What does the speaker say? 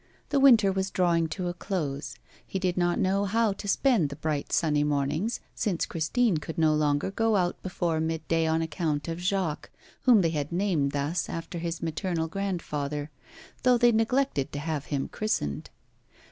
The winter was drawing to a close; he did not know how to spend the bright sunny mornings, since Christine could no longer go out before mid day on account of Jacques, whom they had named thus after his maternal grandfather, though they neglected to have him christened.